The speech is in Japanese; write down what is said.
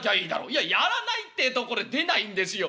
「いややらないってえとこれ出ないんですよ。